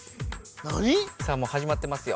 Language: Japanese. なに⁉さあもうはじまってますよ。